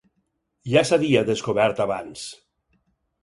Ja s'havia descobert abans.